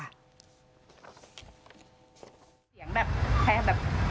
เสียงแบบแฟนแบบ